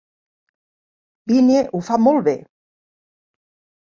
Vinnie ho fa molt bé!